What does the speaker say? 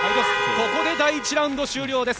ここで第１ラウンド終了です。